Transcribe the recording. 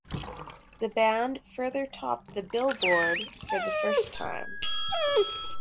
The band further topped the "Billboard" for the first time.